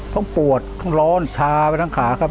ต้องปวดต้องร้อนชาไปทั้งขาครับ